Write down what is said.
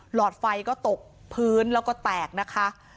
หลอดไฟก็ตกพื้นแล้วก็แตกนะคะ